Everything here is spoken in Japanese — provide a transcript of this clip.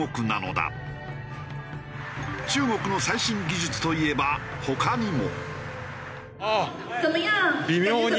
中国の最新技術といえば他にも。